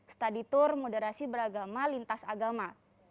study tour moderasi beragama lintas agama